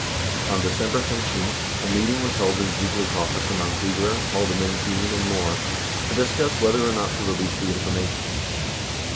On December 18, a meeting was held in Ziegler's office among Ziegler, Haldeman, Dean, and Moore to discuss whether or not to release the information.